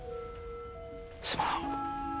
すまん。